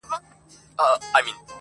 ښوره زاره مځکه نه کوي ګلونه,